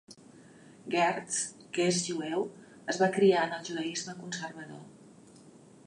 Gertz, que és jueu, es va criar en el judaisme conservador.